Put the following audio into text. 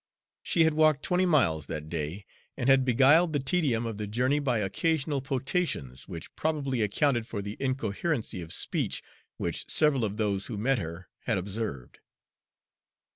She had walked twenty miles that day, and had beguiled the tedium of the journey by occasional potations, which probably accounted for the incoherency of speech which several of those who met her had observed.